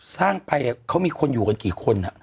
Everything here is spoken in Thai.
สร้างไปเขามีคนอยู่กันกี่คน